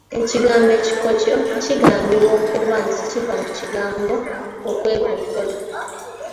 Ekigambo 'ekikoco' kigambibwa okuba nti kiva mu kigambo, okwekokkola.